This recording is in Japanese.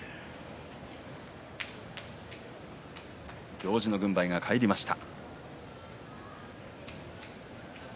行司の軍配が返りました。